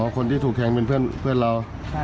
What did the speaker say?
คนที่ถูกแทงเป็นเพื่อนเรา